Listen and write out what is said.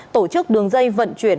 tổ chức đường dây vận chuyển